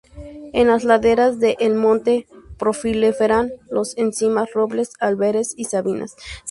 En las laderas de El Monte proliferan las encinas, robles albares y sabinas.